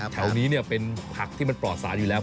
แถวนี้เป็นผักที่มันปลอดศาลด้วยครับ